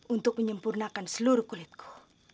untuk menyempurnakan seluruh kulitku